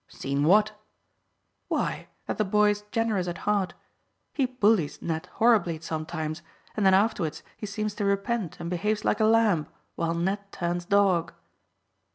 "Seen what?" "Why, that the boy's generous at heart. He bullies Ned horribly sometimes, and then afterwards he seems to repent and behaves like a lamb, while Ned turns dog."